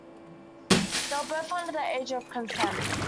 They were both under the age of consent.